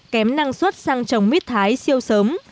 kém năng suất sang trồng mít thái siêu sớm